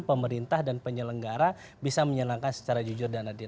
pemerintah dan penyelenggara bisa menyenangkan secara jujur dan adil